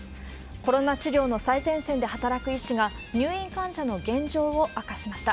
コロナ治療の最前線で働く医師が、入院患者の現状を明かしました。